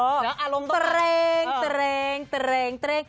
เออเหอะเดี๋ยวอารมณ์ตบข่าวก่อนโอ้โหตระเรงตระเรงตระเรง